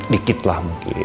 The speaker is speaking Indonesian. dikit lah mungkin